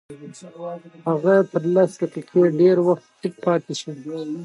هغه تر لس دقيقې ډېر وخت چوپ پاتې شو.